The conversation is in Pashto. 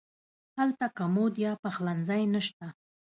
هلته کمود یا پخلنځی نه شته.